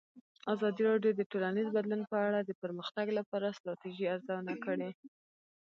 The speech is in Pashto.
ازادي راډیو د ټولنیز بدلون په اړه د پرمختګ لپاره د ستراتیژۍ ارزونه کړې.